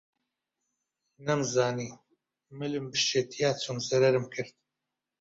نەمزانی ملم بشکێ تیا چووم زەرەرم کرد